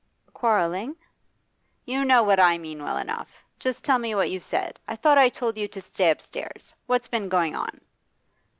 'Quarrelling?' 'You know what I mean well enough. Just tell me what you said. I thought I told you to stay upstairs? What's been going on?